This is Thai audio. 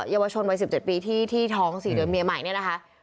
เยาวชนวัย๑๗ปีที่ท้อง๔เดือนเมียใหม่เนี่ยนะคะ